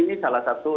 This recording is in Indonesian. ini salah satu